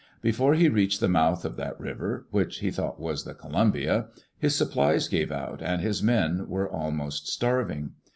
Before he reached the mouth of that river, which he thought was the Columbia, his supplies gave out and his men were almost starving.